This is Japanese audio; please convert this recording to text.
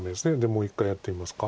もう一回やってみますか。